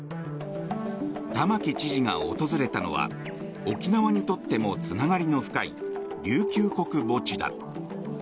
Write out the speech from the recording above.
玉城知事が訪れたのは沖縄にとってもつながりの深い琉球国墓地だ。